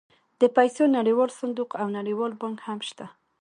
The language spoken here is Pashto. د پیسو نړیوال صندوق او نړیوال بانک هم شته